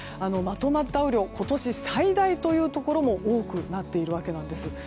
まとまった雨量、今年最大というところも多くなっているんです。